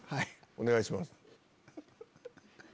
お願いします。